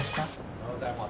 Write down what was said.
おはようございます。